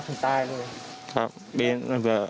อันนี้คือเอาถึงตายเลย